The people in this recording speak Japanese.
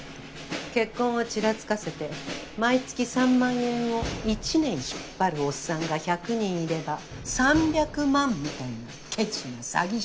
結婚をちらつかせて毎月３万円を１年引っ張るオッサンが１００人いれば３００万みたいなケチな詐欺師よ。